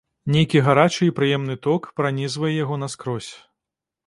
Нейкі гарачы і прыемны ток пранізвае яго наскрозь.